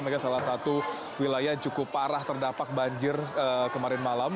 mereka salah satu wilayah yang cukup parah terdampak banjir kemarin malam